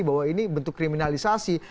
bahwa ini bentuk kriminalisasi